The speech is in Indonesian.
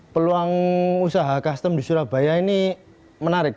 peluang usaha custom di surabaya ini menarik